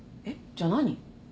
じゃあ何？